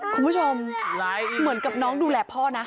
คุณผู้ชมเหมือนกับน้องดูแลพ่อนะ